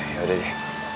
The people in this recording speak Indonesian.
ya udah deh